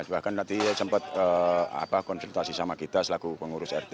bahkan nanti sempat konsultasi sama kita selaku pengurus rt